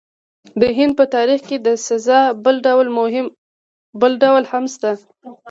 د هند په تاریخ کې د سزا بل ډول هم شته.